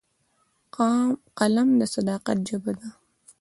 قلم د صداقت ژبه ده